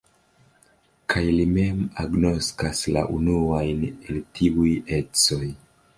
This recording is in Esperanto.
Kaj li mem agnoskas la unuajn el tiuj ecoj.